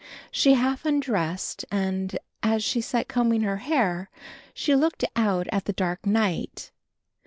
She half undressed and, as she sat combing her hair, she looked out at the dark night.